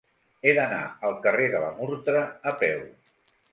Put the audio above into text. He d'anar al carrer de la Murtra a peu.